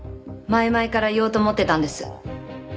前々から言おうと思ってたんです。